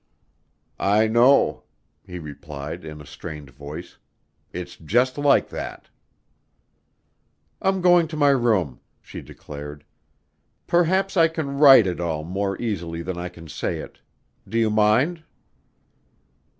"I know," he replied in a strained voice. "It's just like that." "I'm going to my room," she declared. "Perhaps I can write it all more easily than I can say it. Do you mind?"